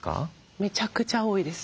めちゃくちゃ多いです。